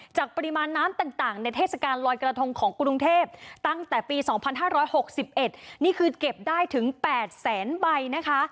ปริมาณน้ำต่างในเทศกาลลอยกระทงของกรุงเทพตั้งแต่ปี๒๕๖๑นี่คือเก็บได้ถึง๘แสนใบนะคะ